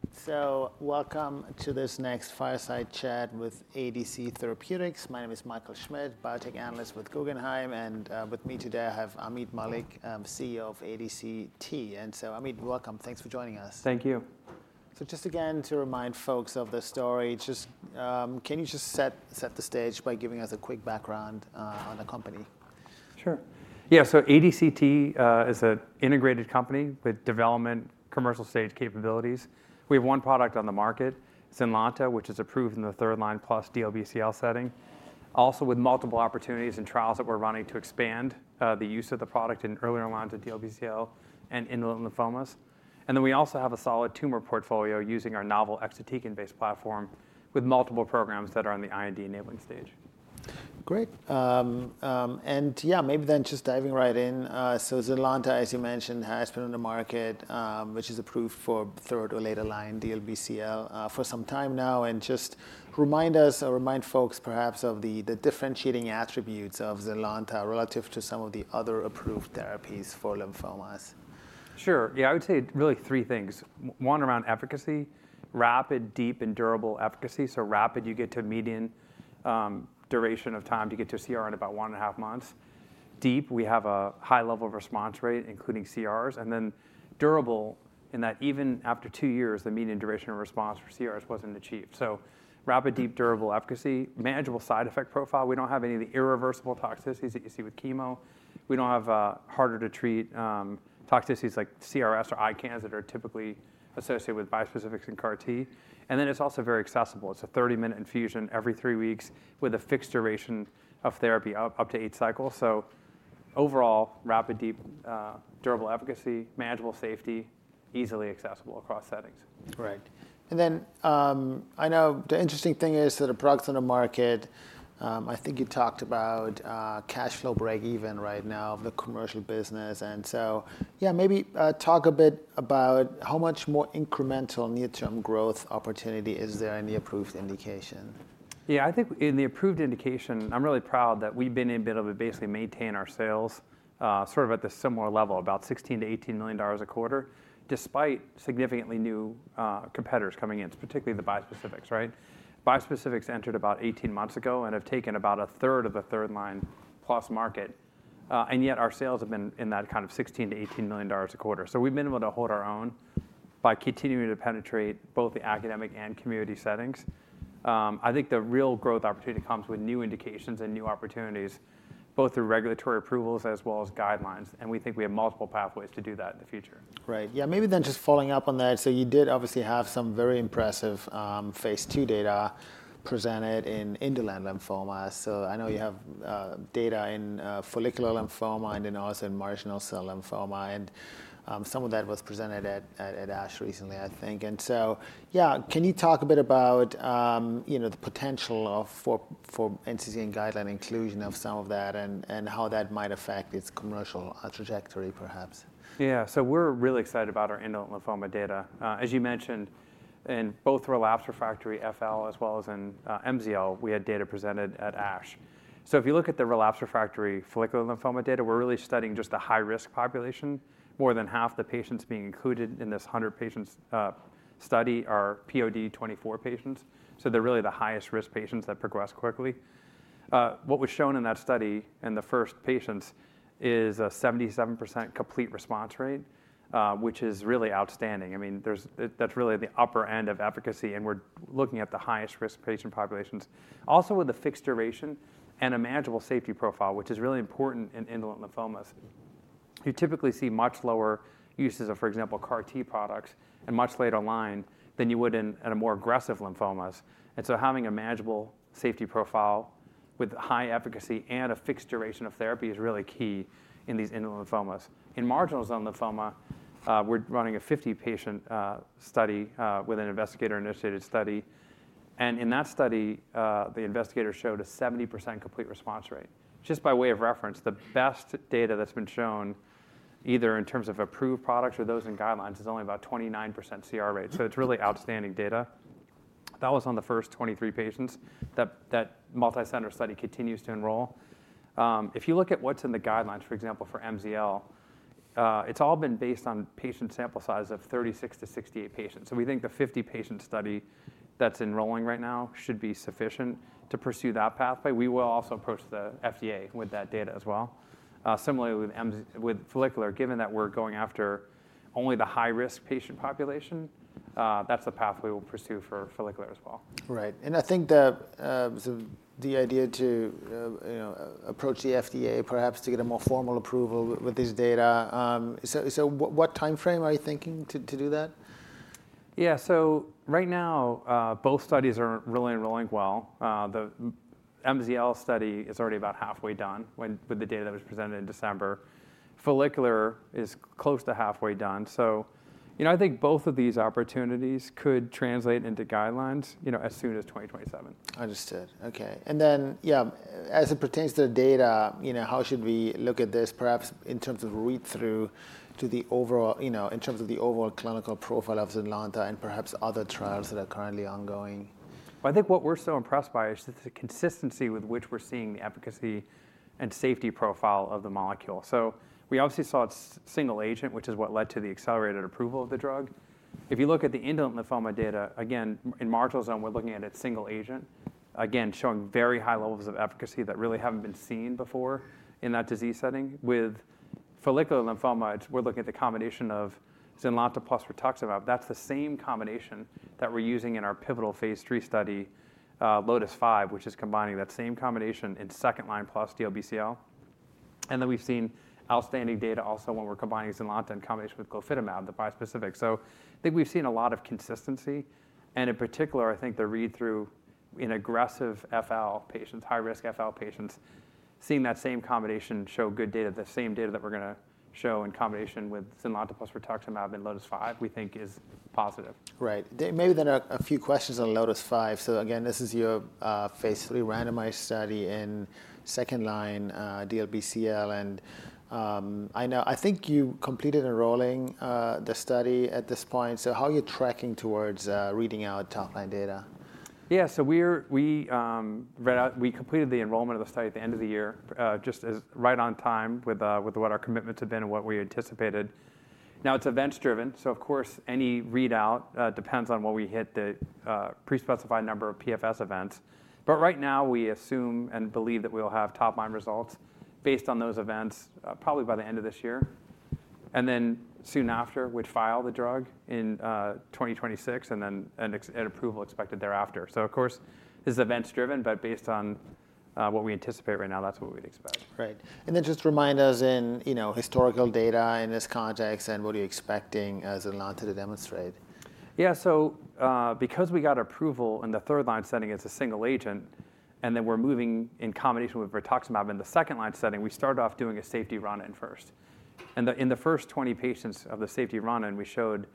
All righty. So welcome to this next fireside chat with ADC Therapeutics. My name is Michael Schmidt, biotech analyst with Guggenheim. And with me today I have Ameet Mallik, CEO of ADCT. And so Ameet, welcome. Thanks for joining us. Thank you. So just again, to remind folks of the story, can you just set the stage by giving us a quick background on the company? Sure. Yeah. So ADCT is an integrated company with development, commercial stage capabilities. We have one product on the market, Zynlonta, which is approved in the third line plus DLBCL setting. Also with multiple opportunities and trials that we're running to expand the use of the product in earlier lines of DLBCL and in the lymphomas, and then we also have a solid tumor portfolio using our novel exatecan-based platform with multiple programs that are on the IND enabling stage. Great. And yeah, maybe then just diving right in. Zynlonta, as you mentioned, has been on the market, which is approved for third- or later-line DLBCL for some time now. And just remind us or remind folks perhaps of the differentiating attributes of Zynlonta relative to some of the other approved therapies for lymphomas. Sure. Yeah, I would say really three things. One around efficacy, rapid, deep, and durable efficacy, so rapid, you get to median duration of time to get to CR in about one and a half months. Deep, we have a high level of response rate, including CRs, and then durable in that even after two years, the median duration of response for CRs wasn't achieved, so rapid, deep, durable efficacy, manageable side effect profile. We don't have any of the irreversible toxicities that you see with chemo. We don't have harder-to-treat toxicities like CRS or ICANS that are typically associated with bispecifics and CAR-T, and then it's also very accessible. It's a 30-minute infusion every three weeks with a fixed duration of therapy up to eight cycles, so overall, rapid, deep, durable efficacy, manageable safety, easily accessible across settings. Correct. And then I know the interesting thing is that the product's on the market. I think you talked about cash flow breakeven right now of the commercial business. And so yeah, maybe talk a bit about how much more incremental near-term growth opportunity is there in the approved indication? Yeah. I think in the approved indication, I'm really proud that we've been able to basically maintain our sales sort of at the similar level, about $16 million-$18 million a quarter, despite significantly new competitors coming in, particularly the bispecifics, right? Bispecifics entered about 18 months ago and have taken about a third of the third line plus market. And yet our sales have been in that kind of $16 million-$18 million a quarter. So we've been able to hold our own by continuing to penetrate both the academic and community settings. I think the real growth opportunity comes with new indications and new opportunities, both through regulatory approvals as well as guidelines. And we think we have multiple pathways to do that in the future. Right. Yeah. Maybe then just following up on that. So you did obviously have some very impressive phase II data presented in indolent lymphoma. So I know you have data in follicular lymphoma and then also in marginal zone lymphoma. And some of that was presented at ASH recently, I think. And so yeah, can you talk a bit about the potential for NCCN guideline inclusion of some of that and how that might affect its commercial trajectory perhaps? Yeah. So we're really excited about our indolent lymphoma data. As you mentioned, in both relapsed/refractory FL as well as in MZL, we had data presented at ASH. So if you look at the relapsed/refractory follicular lymphoma data, we're really studying just the high-risk population. More than half the patients being included in this 100-patient study are POD 24 patients. So they're really the highest risk patients that progress quickly. What was shown in that study in the first patients is a 77% complete response rate, which is really outstanding. I mean, that's really the upper end of efficacy. And we're looking at the highest risk patient populations. Also with the fixed duration and a manageable safety profile, which is really important in indolent lymphomas. You typically see much lower uses of, for example, CAR-T products and much later line than you would in more aggressive lymphomas. And so having a manageable safety profile with high efficacy and a fixed duration of therapy is really key in these indolent lymphomas. In marginal zone lymphoma, we're running a 50-patient study with an investigator-initiated study. And in that study, the investigator showed a 70% complete response rate. Just by way of reference, the best data that's been shown either in terms of approved products or those in guidelines is only about 29% CR rate. So it's really outstanding data. That was on the first 23 patients. That multi-center study continues to enroll. If you look at what's in the guidelines, for example, for MZL, it's all been based on patient sample size of 36-68 patients. So we think the 50-patient study that's enrolling right now should be sufficient to pursue that pathway. We will also approach the FDA with that data as well. Similarly, with follicular, given that we're going after only the high-risk patient population, that's the pathway we'll pursue for follicular as well. Right. And I think the idea to approach the FDA perhaps to get a more formal approval with these data. So what time frame are you thinking to do that? Yeah, so right now, both studies are really enrolling well. The MZL study is already about halfway done with the data that was presented in December. Follicular is close to halfway done, so I think both of these opportunities could translate into guidelines as soon as 2027. Understood. Okay. And then yeah, as it pertains to the data, how should we look at this perhaps in terms of read-through to the overall, in terms of the overall clinical profile of Zynlonta and perhaps other trials that are currently ongoing? I think what we're so impressed by is just the consistency with which we're seeing the efficacy and safety profile of the molecule. So we obviously saw it's single agent, which is what led to the accelerated approval of the drug. If you look at the indolent lymphoma data, again, in marginal zone, we're looking at it single agent, again, showing very high levels of efficacy that really haven't been seen before in that disease setting. With follicular lymphoma, we're looking at the combination of Zynlonta plus rituximab. That's the same combination that we're using in our pivotal phase III study, LOTIS-5, which is combining that same combination in second line plus DLBCL. And then we've seen outstanding data also when we're combining Zynlonta in combination with glofitamab, the bispecific. So I think we've seen a lot of consistency. In particular, I think the read-through in aggressive FL patients, high-risk FL patients, seeing that same combination show good data, the same data that we're going to show in combination with Zynlonta plus rituximab in LOTIS-5, we think is positive. Right. Maybe then a few questions on LOTIS-5. So again, this is your phase III randomized study in second-line DLBCL. And I think you completed enrolling the study at this point. So how are you tracking towards reading out top-line data? Yeah. So we completed the enrollment of the study at the end of the year, just right on time with what our commitments have been and what we anticipated. Now it's events-driven. So of course, any readout depends on what we hit the prespecified number of PFS events. But right now, we assume and believe that we'll have top line results based on those events probably by the end of this year. And then soon after, we'd file the drug in 2026 and then an approval expected thereafter. So of course, this is events-driven, but based on what we anticipate right now, that's what we'd expect. Right. And then just remind us in historical data in this context and what are you expecting Zynlonta to demonstrate? Yeah, so because we got approval in the third line setting as a single agent, and then we're moving in combination with rituximab in the second line setting, we started off doing a safety run-in first, and in the first 20 patients of the safety run-in, we showed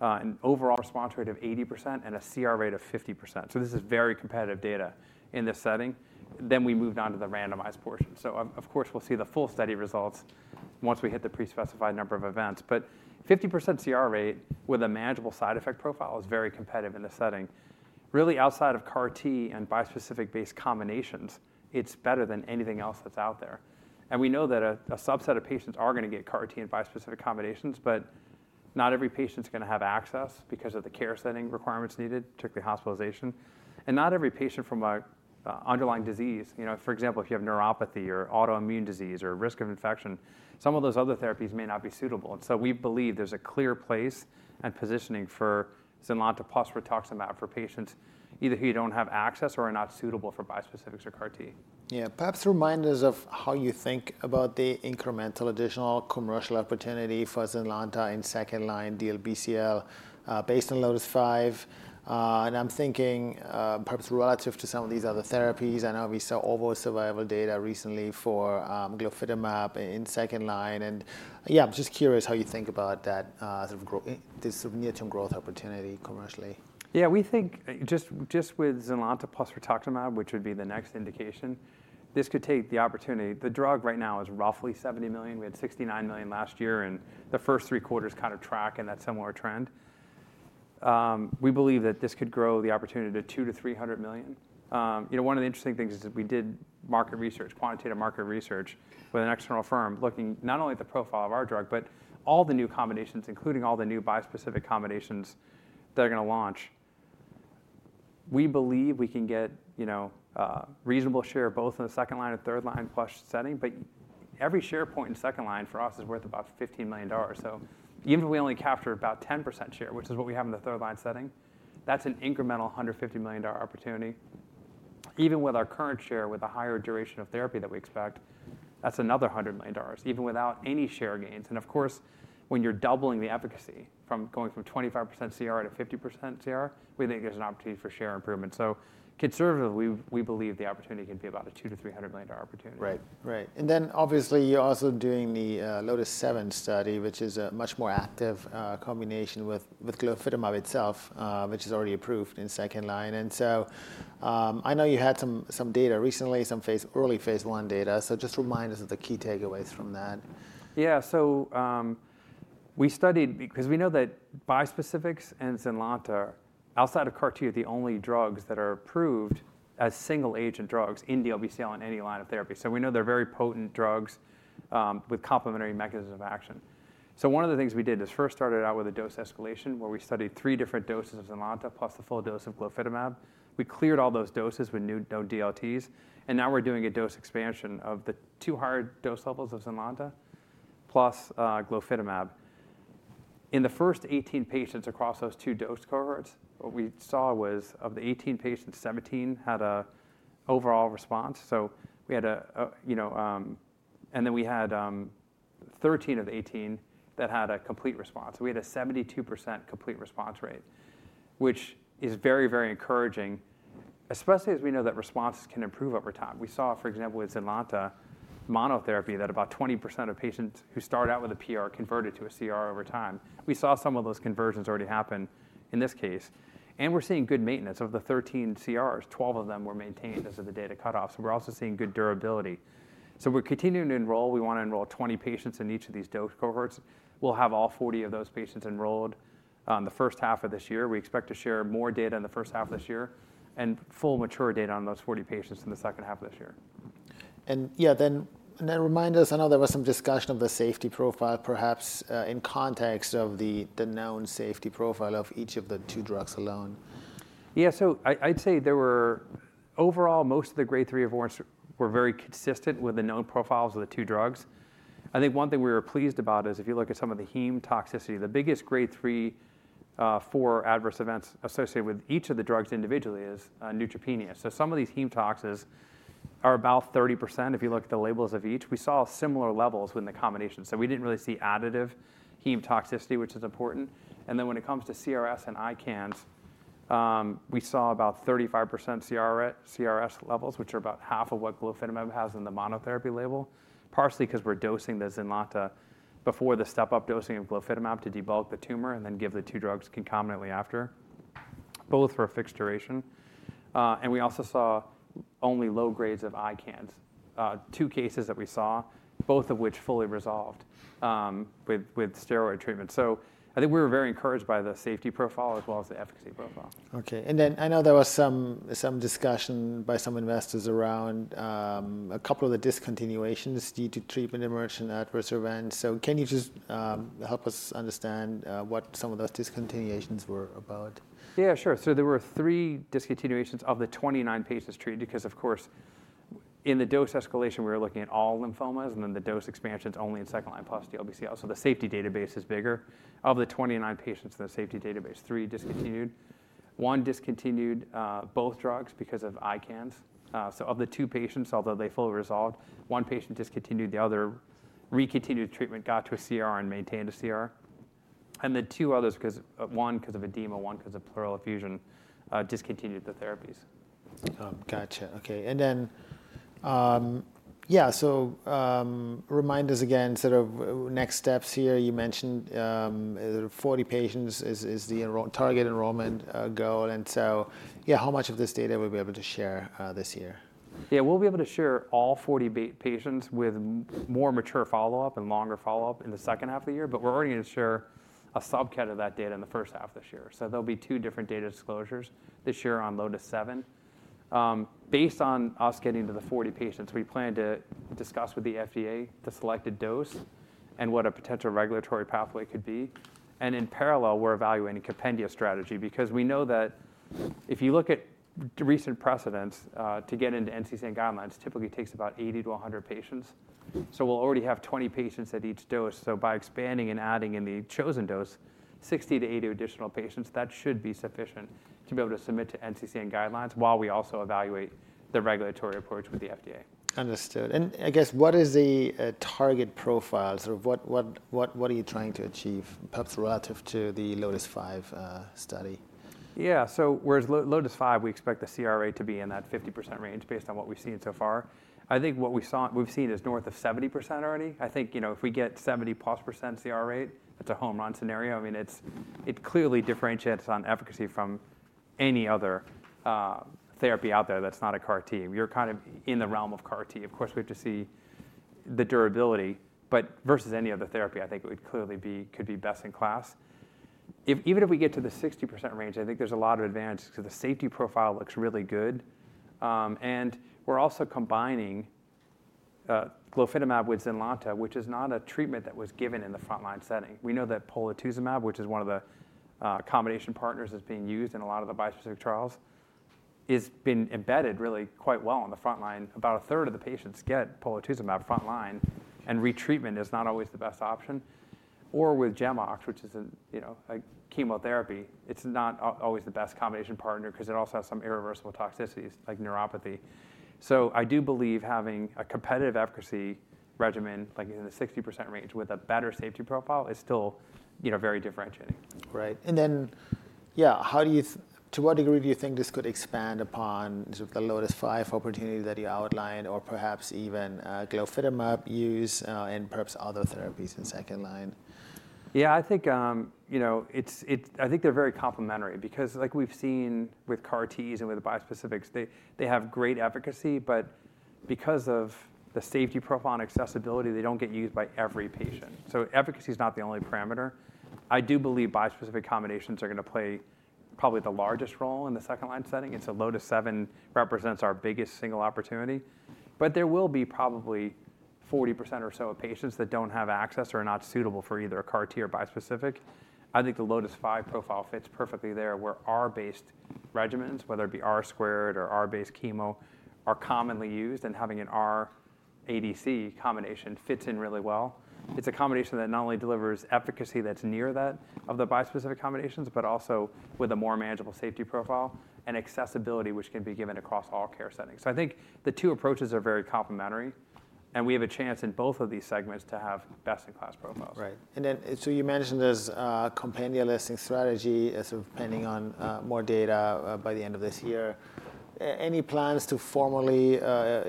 an overall response rate of 80% and a CR rate of 50%, so this is very competitive data in this setting. Then we moved on to the randomized portion, so of course, we'll see the full study results once we hit the prespecified number of events, but 50% CR rate with a manageable side effect profile is very competitive in this setting. Really, outside of CAR-T and bispecific-based combinations, it's better than anything else that's out there. And we know that a subset of patients are going to get CAR-T and bispecific combinations, but not every patient's going to have access because of the care setting requirements needed, particularly hospitalization. And not every patient from an underlying disease, for example, if you have neuropathy or autoimmune disease or risk of infection, some of those other therapies may not be suitable. And so we believe there's a clear place and positioning for Zynlonta plus rituximab for patients either who don't have access or are not suitable for bispecifics or CAR-T. Yeah. Perhaps remind us of how you think about the incremental additional commercial opportunity for Zynlonta in second-line DLBCL based on LOTIS-5. And I'm thinking perhaps relative to some of these other therapies. I know we saw overall survival data recently for glofitamab in second-line. And yeah, I'm just curious how you think about that sort of near-term growth opportunity commercially. Yeah. We think just with Zynlonta plus rituximab, which would be the next indication, this could take the opportunity. The drug right now is roughly $70 million. We had $69 million last year, and the first three quarters kind of track in that similar trend. We believe that this could grow the opportunity to $200 million-$300 million. One of the interesting things is we did market research, quantitative market research with an external firm looking not only at the profile of our drug, but all the new combinations, including all the new bispecific combinations they're going to launch. We believe we can get a reasonable share both in the second line and third line plus setting, but every share point in second line for us is worth about $15 million. Even if we only capture about 10% share, which is what we have in the third line setting, that's an incremental $150 million opportunity. Even with our current share with a higher duration of therapy that we expect, that's another $100 million even without any share gains. Of course, when you're doubling the efficacy from going from 25% CR to 50% CR, we think there's an opportunity for share improvement. Conservatively, we believe the opportunity can be about a $200 million-$300 million opportunity. Right. Right. And then obviously, you're also doing the LOTIS-7 study, which is a much more active combination with glofitamab itself, which is already approved in second-line. And so I know you had some data recently, some early phase I data. So just remind us of the key takeaways from that. Yeah, we studied because we know that bispecifics and Zynlonta, outside of CAR-T, are the only drugs that are approved as single agent drugs in DLBCL in any line of therapy. We know they're very potent drugs with complementary mechanisms of action. One of the things we did is first started out with a dose escalation where we studied three different doses of Zynlonta plus the full dose of glofitamab. We cleared all those doses with no DLTs. Now we're doing a dose expansion of the two higher dose levels of Zynlonta plus glofitamab. In the first 18 patients across those two dose cohorts, what we saw was of the 18 patients, 17 had an overall response. We had a, and then we had 13 of the 18 that had a complete response. So we had a 72% complete response rate, which is very, very encouraging, especially as we know that responses can improve over time. We saw, for example, with Zynlonta monotherapy that about 20% of patients who started out with a PR converted to a CR over time. We saw some of those conversions already happen in this case. And we're seeing good maintenance of the 13 CRs. 12 of them were maintained as of the data cutoff. So we're also seeing good durability. So we're continuing to enroll. We want to enroll 20 patients in each of these dose cohorts. We'll have all 40 of those patients enrolled the first half of this year. We expect to share more data in the first half of this year and full mature data on those 40 patients in the second half of this year. And yeah, then remind us. I know there was some discussion of the safety profile perhaps in context of the known safety profile of each of the two drugs alone. Yeah. I'd say there were overall, most of the grade three or above were very consistent with the known profiles of the two drugs. I think one thing we were pleased about is if you look at some of the heme toxicity, the biggest grade three for adverse events associated with each of the drugs individually is neutropenia. Some of these heme toxicities are about 30%. If you look at the labels of each, we saw similar levels within the combination. We didn't really see additive heme toxicity, which is important. When it comes to CRS and ICANS, we saw about 35% CRS levels, which are about half of what glofitamab has in the monotherapy label, partially because we're dosing the Zynlonta before the step-up dosing of glofitamab to debulk the tumor and then give the two drugs concomitantly after, both for a fixed duration. And we also saw only low grades of ICANS, two cases that we saw, both of which fully resolved with steroid treatment. So I think we were very encouraged by the safety profile as well as the efficacy profile. Okay. And then I know there was some discussion by some investors around a couple of the discontinuations due to treatment-emergent adverse events. So can you just help us understand what some of those discontinuations were about? Yeah, sure. So there were three discontinuations of the 29 patients treated because, of course, in the dose escalation, we were looking at all lymphomas and then the dose expansions only in second line plus DLBCL. So the safety database is bigger. Of the 29 patients in the safety database, three discontinued. One discontinued both drugs because of ICANS. So of the two patients, although they fully resolved, one patient discontinued, the other recontinued treatment, got to a CR and maintained a CR. And the two others, one because of edema, one because of pleural effusion, discontinued the therapies. Gotcha. Okay. And then yeah, so remind us again sort of next steps here. You mentioned 40 patients is the target enrollment goal. And so yeah, how much of this data will we be able to share this year? Yeah. We'll be able to share all 40 patients with more mature follow-up and longer follow-up in the second half of the year. But we're already going to share a subset of that data in the first half of this year. So there'll be two different data disclosures this year on LOTIS-7. Based on us getting to the 40 patients, we plan to discuss with the FDA the selected dose and what a potential regulatory pathway could be. And in parallel, we're evaluating compendia strategy because we know that if you look at recent precedents, to get into NCCN guidelines, typically takes about 80-100 patients. So we'll already have 20 patients at each dose. By expanding and adding in the chosen dose, 60-80 additional patients, that should be sufficient to be able to submit to NCCN guidelines while we also evaluate the regulatory approach with the FDA. Understood, and I guess what is the target profile? Sort of what are you trying to achieve perhaps relative to the LOTIS-5 study? Yeah. So whereas LOTIS-5, we expect the CR rate to be in that 50% range based on what we've seen so far. I think what we've seen is north of 70% already. I think if we get 70%+ CR rate, it's a home run scenario. I mean, it clearly differentiates on efficacy from any other therapy out there that's not a CAR-T. You're kind of in the realm of CAR-T. Of course, we have to see the durability. But versus any other therapy, I think it would clearly could be best in class. Even if we get to the 60% range, I think there's a lot of advantage because the safety profile looks really good. And we're also combining glofitamab with Zynlonta, which is not a treatment that was given in the front line setting. We know that polatuzumab, which is one of the combination partners that's being used in a lot of the bispecific trials, has been embedded really quite well on the front line, and about a third of the patients get polatuzumab front line. Retreatment is not always the best option, or with GemOx, which is a chemotherapy, it's not always the best combination partner because it also has some irreversible toxicities like neuropathy. So I do believe having a competitive efficacy regimen like in the 60% range with a better safety profile is still very differentiating. Right. And then yeah, to what degree do you think this could expand upon the LOTIS-5 opportunity that you outlined or perhaps even glofitamab use and perhaps other therapies in second-line? Yeah. I think they're very complementary because like we've seen with CAR-Ts and with the bispecifics, they have great efficacy. But because of the safety profile and accessibility, they don't get used by every patient. So efficacy is not the only parameter. I do believe bispecific combinations are going to play probably the largest role in the second line setting. And so LOTIS-7 represents our biggest single opportunity. But there will be probably 40% or so of patients that don't have access or are not suitable for either a CAR-T or bispecific. I think the LOTIS-5 profile fits perfectly there where R-based regimens, whether it be R2 or R-based chemo, are commonly used. And having an R-ADC combination fits in really well. It's a combination that not only delivers efficacy that's near that of the bispecific combinations, but also with a more manageable safety profile and accessibility, which can be given across all care settings. I think the two approaches are very complementary. We have a chance in both of these segments to have best-in-class profiles. Right. And then so you mentioned there's compendia listing strategy sort of pending on more data by the end of this year. Any plans to formally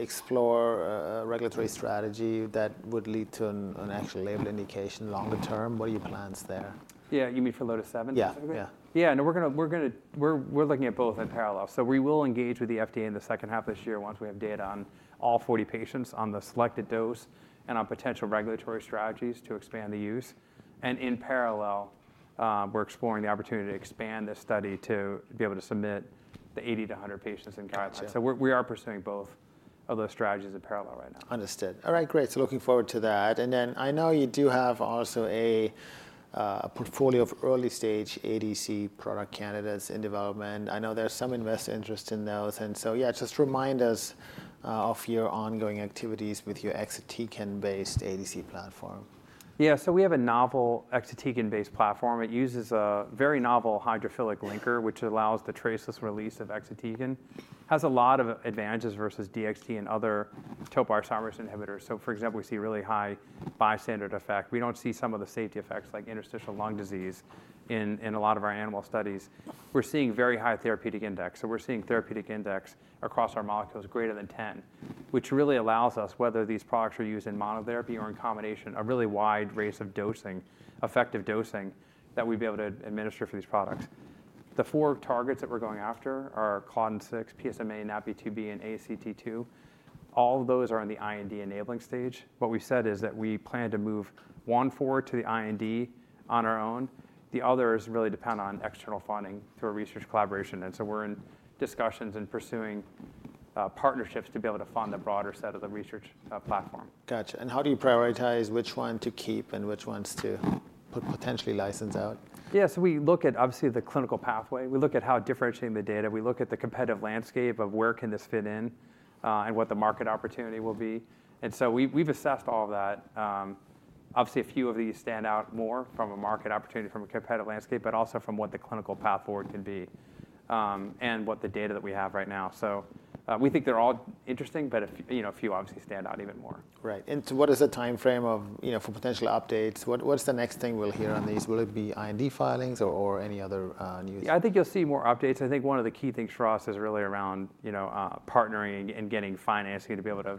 explore a regulatory strategy that would lead to an actual label indication longer term? What are your plans there? Yeah. You mean for LOTIS-7? Yeah. Yeah. Yeah. And we're looking at both in parallel. So we will engage with the FDA in the second half of this year once we have data on all 40 patients on the selected dose and on potential regulatory strategies to expand the use. And in parallel, we're exploring the opportunity to expand this study to be able to submit the 80-100 patients in CAR-T. So we are pursuing both of those strategies in parallel right now. Understood. All right. Great. So looking forward to that. And then I know you do have also a portfolio of early-stage ADC product candidates in development. I know there's some investor interest in those. And so yeah, just remind us of your ongoing activities with your exatecan-based ADC platform. Yeah. So we have a novel exatecan-based platform. It uses a very novel hydrophilic linker, which allows the traceless release of exatecan. It has a lot of advantages versus DXd and other topoisomerase inhibitors. So for example, we see really high bystander effect. We don't see some of the safety effects like interstitial lung disease in a lot of our animal studies. We're seeing very high therapeutic index. So we're seeing therapeutic index across our molecules greater than 10, which really allows us, whether these products are used in monotherapy or in combination, a really wide range of effective dosing that we'd be able to administer for these products. The four targets that we're going after are Claudin-6, PSMA, NaPi2b, and ASCT2. All of those are in the IND-enabling stage. What we've said is that we plan to move one forward to the IND on our own. The others really depend on external funding through a research collaboration, and so we're in discussions and pursuing partnerships to be able to fund the broader set of the research platform. Gotcha. And how do you prioritize which ones to keep and which ones to potentially license out? Yeah. So we look at obviously the clinical pathway. We look at how differentiating the data. We look at the competitive landscape of where can this fit in and what the market opportunity will be. And so we've assessed all of that. Obviously, a few of these stand out more from a market opportunity from a competitive landscape, but also from what the clinical path forward can be and what the data that we have right now. So we think they're all interesting, but a few obviously stand out even more. Right. And so what is the time frame for potential updates? What's the next thing we'll hear on these? Will it be IND filings or any other news? Yeah. I think you'll see more updates. I think one of the key things for us is really around partnering and getting financing to be able to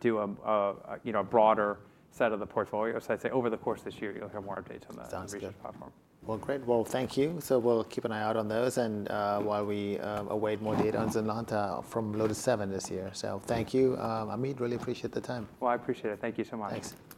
do a broader set of the portfolio. So I'd say over the course of this year, you'll hear more updates on the research platform. Sounds good. Well, great. Well, thank you. So we'll keep an eye out on those while we await more data on Zynlonta from LOTIS-7 this year. So thank you, Ameet. Really appreciate the time. Well, I appreciate it. Thank you so much. Thanks.